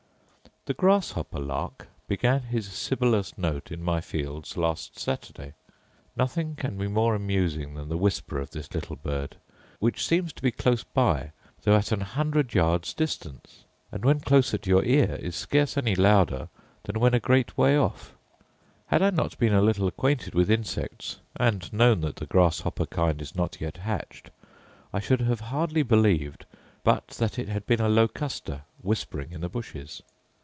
The grasshopper lark began his sibilous note in my fields last Saturday. Nothing can be more amusing than the whisper of this little bird, which seems to be close by though at an hundred yards distance; and, when close at your ear, is scarce any louder than when a great way off. Had I not been a little acquainted with insects, and known that the grasshopper kind is not yet hatched, I should have hardly believed but that it had been a locusta whispering in the bushes.